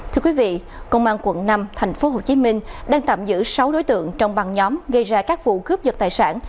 thưa quý vị công an quận năm thành phố hồ chí minh đang tạm giữ sáu đối tượng trong băng nhóm gây ra các vụ cướp dật tài sản